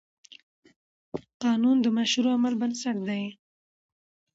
قانون د مشروع عمل بنسټ دی.